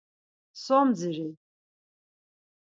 So mdziri?